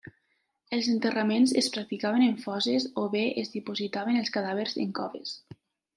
Els enterraments es practicaven en fosses o bé es dipositaven els cadàvers en coves.